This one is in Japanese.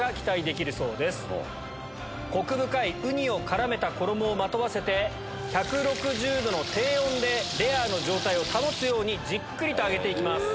コク深いウニを絡めた衣をまとわせて１６０℃の低温でレアの状態を保つようにじっくりと揚げて行きます。